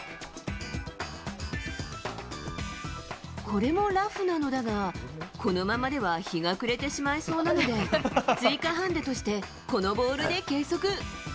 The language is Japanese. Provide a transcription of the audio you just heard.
これもラフなのだが、このままでは日が暮れてしまいそうなので、追加ハンデとして、このボールで計測。